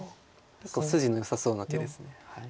結構筋のよさそうな手です。